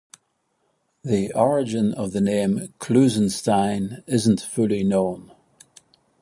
The origin of the name "Klusenstein" isn't fully known.